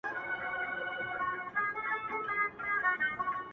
• په هینداره کي د ځان په تماشا وه -